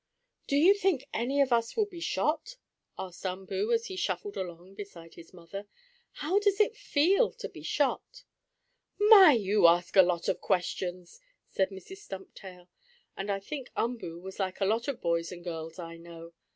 "Do you think any of us will be shot?" asked Umboo, as he shuffled along beside his mother. "How does it feel to be shot?" "My! But you ask a lot of questions," said Mrs. Stumptail; and I think Umboo was like a lot of boys and girls I know.